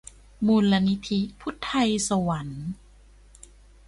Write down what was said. มูลนิธิพุทไธศวรรค์